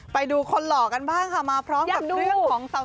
ไปดูคนหล่อกันบ้างค่ะมาพร้อมกับเรื่องของสาว